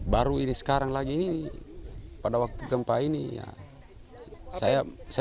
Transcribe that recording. baru ini sekarang lagi ini pada waktu gempa ini ya saya punya mau lagi